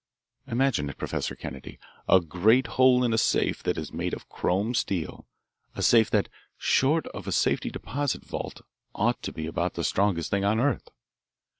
Imagine it, Professor Kennedy, a great hole in a safe that is made of chrome steel, a safe that, short of a safety deposit vault, ought to be about the strongest thing on earth.